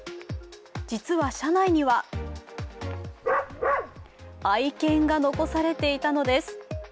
実は、車内には愛犬が残されていたのです。